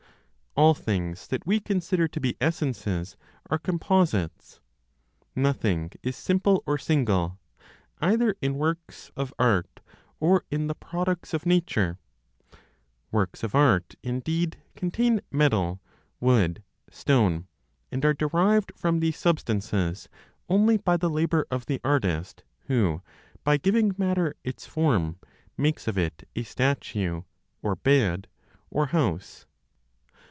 All things that we consider to be essences are composites; nothing is simple or single, either in works of art, or in the products of nature. Works of art, indeed, contain metal, wood, stone, and are derived from these substances only by the labor of the artist, who, by giving matter its form makes of it a statue, or bed, or house.